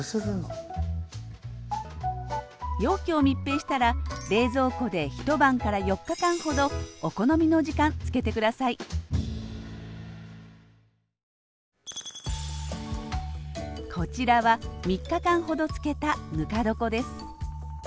容器を密閉したら冷蔵庫で一晩から４日間ほどお好みの時間漬けて下さいこちらは３日間ほど漬けたぬか床です